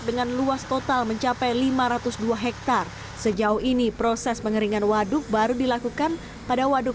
dengan luas total mencapai lima ratus dua hektare sejauh ini proses pengeringan waduk baru dilakukan pada waduk